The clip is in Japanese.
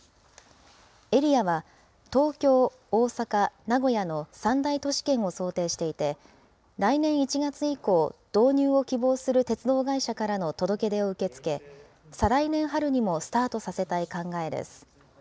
エリアは、東京、大阪、名古屋の３大都市圏を想定していて、来年１月以降、導入を希望する鉄道会社からの届け出を受け付け、再来年春にもスタートさせたい考えです。